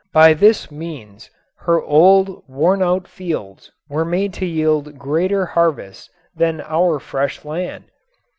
By this means her old, wornout fields were made to yield greater harvests than our fresh land.